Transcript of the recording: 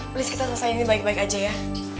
please kita selesai ini baik baik aja ya